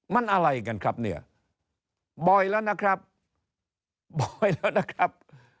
มันอะไรกันครับเนี่ยบ่อยแล้วนะครับบ่อยแล้วนะครับ